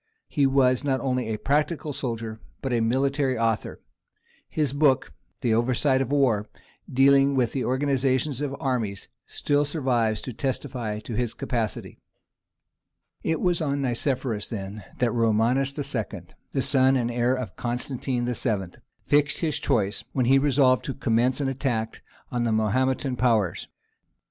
He was not only a practical soldier, but a military author: his book, Περὶ Παραδρόμης πολέμου, dealing with the organization of armies, still survives to testify to his capacity. It was on Nicephorus then that Romanus II., the son and heir of Constantine VII., fixed his choice, when he resolved to commence an attack on the Mahometan powers.